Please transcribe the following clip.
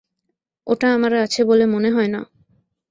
ওটা আমার আছে বলে মনে হয় না।